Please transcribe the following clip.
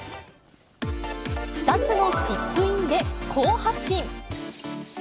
２つのチップインで好発進。